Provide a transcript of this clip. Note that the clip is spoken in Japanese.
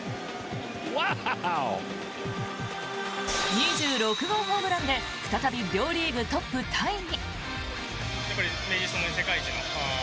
２６号ホームランで再び両リーグトップタイに。